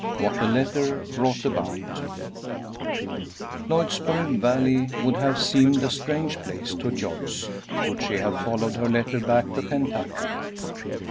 WHAT A LETTER BROUGHT ABOUT LLOYDSBORO VALLEY would have seemed a strange place to Joyce, could she have followed her letter back to Kentucky.